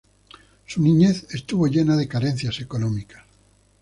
Su niñez estuvo llena de carencias económicas.